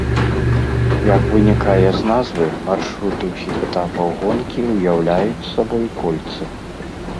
Як вынікае з назвы, маршруты ўсіх этапаў гонкі ўяўляюць сабой кольцы.